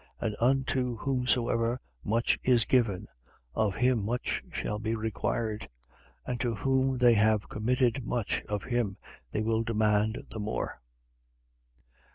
And unto whomsoever much is given, of him much shall be required: and to whom they have committed much, of him they will demand the more.